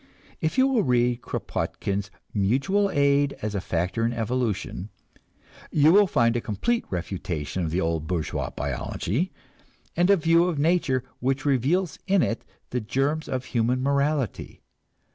If you will read Kropotkin's "Mutual Aid as a Factor in Evolution," you will find a complete refutation of the old bourgeois biology, and a view of nature which reveals in it the germs of human morality.